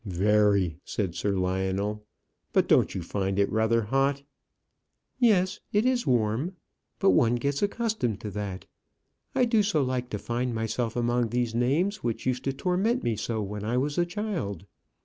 "Very," said Sir Lionel. "But don't you find it rather hot?" "Yes, it is warm. But one gets accustomed to that. I do so like to find myself among these names which used to torment me so when I was a child.